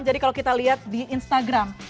jadi kalau kita lihat di instagram